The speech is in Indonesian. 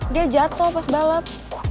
dia jatoh pas balap